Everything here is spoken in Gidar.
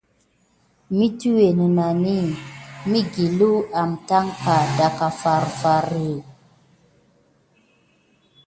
Mitiwé nenani dəga səza migueliw amtaŋ farfar, katerguh nənani.